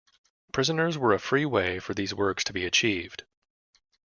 Prisoners were a free way for these works to be achieved.